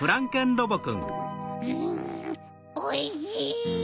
おいしい！